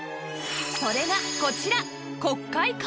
それがこちら